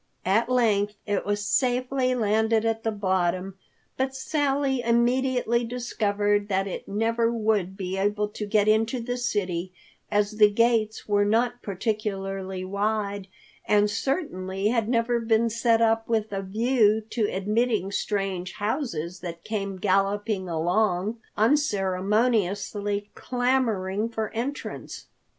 At length it was safely landed at the bottom, but Sally immediately discovered that it never would be able to get into the city as the gates were not particularly wide, and certainly had never been set up with a view to admitting strange houses that came galloping along, unceremoniously clamoring for entrance.